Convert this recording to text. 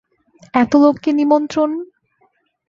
এত লোককে নিমন্ত্রণ!